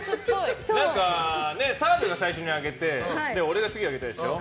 澤部が最初にあげて俺が次あげたでしょ。